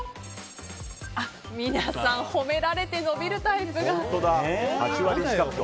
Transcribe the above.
皆さん褒められて伸びるタイプが。